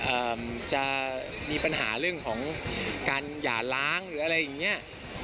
จะมีปัญหาเรื่องของการหย่าล้างหรืออะไรอย่างเงี้ย